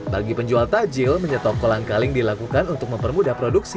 bagi penjual takjil menyetop kolang kaling dilakukan untuk mempermudah produksi